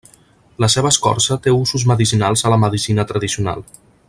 La seva escorça té usos medicinals a la medicina tradicional.